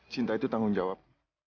cinta itu tanggung jawab